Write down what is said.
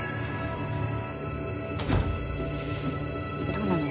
どうなの？